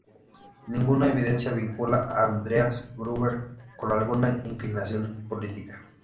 Ninguna evidencia vincula a Andreas Gruber con alguna inclinación política.